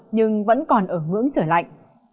nhưng vẫn còn ở ngưỡng trời lạnh